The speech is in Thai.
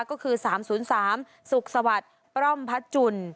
ก็คือ๓๐๓สุขสวัสดิ์ปร่อมพระจุล